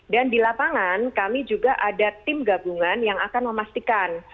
dan di lapangan kami juga ada tim gabungan yang akan memastikan